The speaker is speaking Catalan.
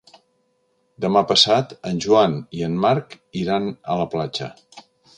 Demà passat en Joan i en Marc iran a la platja.